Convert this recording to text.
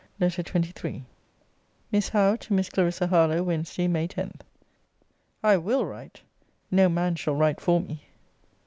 LETTER XXIII MISS HOWE, TO MISS CLARISSA HARLOWE WEDNESDAY, MAY 10. I WILL write! No man shall write for me.